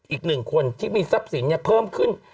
อีกหนึ่งคนที่มีทรัพย์สินเพิ่มขึ้น